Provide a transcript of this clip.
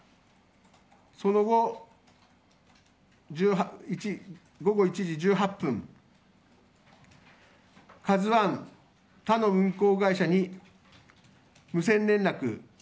その後、午後１時１８分「ＫＡＺＵ１」、他の運航会社に無線連絡。